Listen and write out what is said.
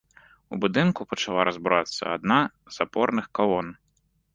У будынку пачала разбурацца адна з апорных калон.